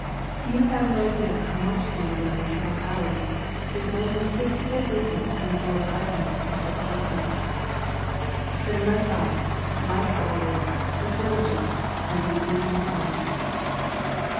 Few have an idea how much can be done in twelve hours, if men wiU stick to their business and avoid idleness and frivolity. Then let us, like our Lord, be diligent, and " redeem the time."